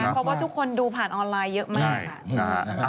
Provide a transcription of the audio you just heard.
เพราะว่าทุกคนดูผ่านออนไลน์เยอะมาก